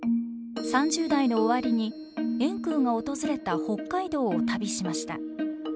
３０代の終わりに円空が訪れた北海道を旅しました。